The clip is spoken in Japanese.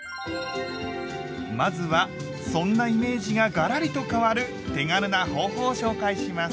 まずはそんなイメージがガラリと変わる手軽な方法を紹介します。